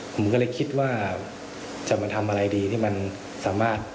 ผมก็เลยคิดว่าจะมาทำอะไรดีที่มันสามารถ